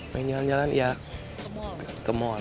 pengen jalan jalan ya ke mall